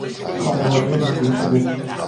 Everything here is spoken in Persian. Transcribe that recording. خانوادهی نفرین شده